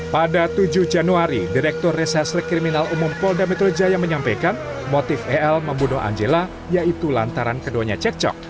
pada tujuh januari direktur resele kriminal umum paul d'ametrogea menyampaikan motif el membunuh angela yaitu lantaran keduanya cekcok